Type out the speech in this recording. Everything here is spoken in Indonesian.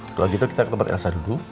kalau gitu kita ke tempat elsa dulu